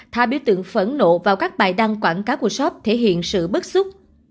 hai biểu tượng phẫn nộ vào các bài đăng quảng cáo của shop thể hiện sự bức xúc